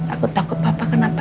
aku takut papa kenapa